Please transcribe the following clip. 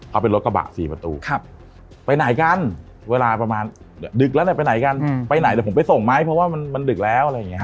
เอาเป็นรถกระปะ๔ประตูไปไหนกันเดี๋ยวจะไปส่งไหมเพราะว่ามันดึกแล้ว